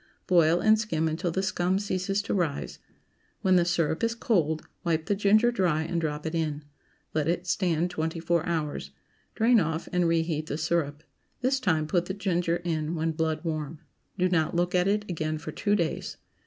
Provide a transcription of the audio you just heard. Boil, and skim until the scum ceases to rise. When the syrup is cold, wipe the ginger dry and drop it in. Let it stand twenty four hours. Drain off and reheat the syrup. This time put the ginger in when blood warm. Do not look at it again for two days.